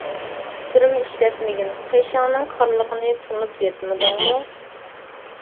سۈرمە ئىشلەتمىگىن، قېشىڭنىڭ قارىلىقىنى تونۇپ يەتمىدىڭمۇ.